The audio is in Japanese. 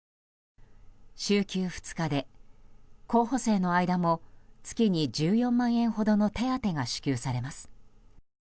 週休２日で、候補生の間も月に１４万円ほどの手当が支給されます。